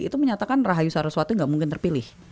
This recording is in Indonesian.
itu menyatakan rahayu saraswati nggak mungkin terpilih